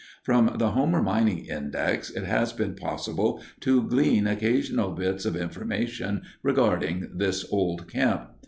From the Homer Mining Index it has been possible to glean occasional bits of information regarding this old camp.